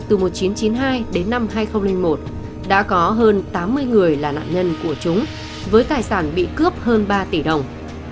từ một nghìn chín trăm chín mươi hai đến năm hai nghìn một đã có hơn tám mươi người là nạn nhân của chúng với tài sản bị cướp hơn ba tỷ đồng